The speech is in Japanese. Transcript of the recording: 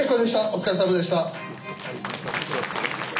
お疲れさまでした。